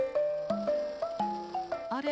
あれ？